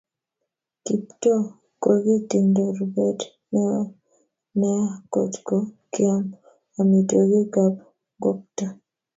Kiptoo kokitindo rubet neo nea kot ko kiam amitwokik ab ngokto